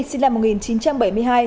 sinh năm một nghìn chín trăm bảy mươi hai